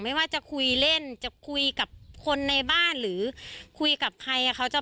ไม่ว่าจะคุยเล่นจะคุยกับคนในบ้านหรือคุยกับใคร